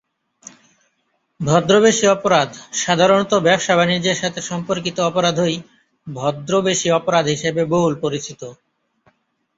ভদ্রবেশী অপরাধ সাধারণত ব্যবসাবাণিজ্যের সাথে সম্পর্কিত অপরাধই ভদ্রবেশী অপরাধ হিসেবে বহুল পরিচিত।